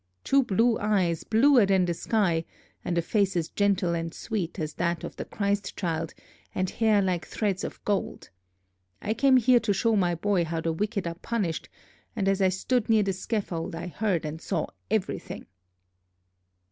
Two blue eyes, bluer than the sky, and a face as gentle and sweet as that of the Christ child, and hair like threads of gold. I came here to show my boy how the wicked are punished, and as I stood near the scaffold, I heard and saw everything!"